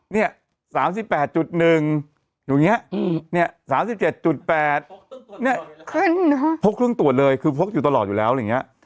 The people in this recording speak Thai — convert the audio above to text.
เนี่ย๓๘๑อยู่อย่างนี้เนี่ย๓๗๘เนี่ยพกเครื่องตรวจเลยคือพกอยู่ตลอดอยู่แล้วอะไรอย่างนี้